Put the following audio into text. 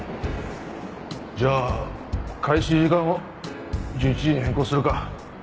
じゃあ開始時間を１１時に変更するか。